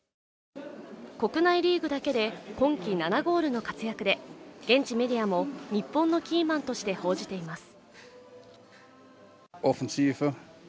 国内リーグだけで今季７ゴールの活躍で現地メディアも日本のキーマンとして報じています